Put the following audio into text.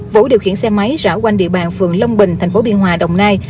vũ điều khiển xe máy rảo quanh địa bàn phường long bình tp biên hòa đồng nai